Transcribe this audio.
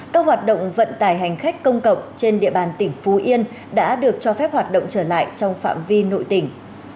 các hoạt động vận tải hành khách công cộng trên địa bàn tỉnh phú yên đã được cho phép hoạt động trở lại trong phạm vi nội tỉnh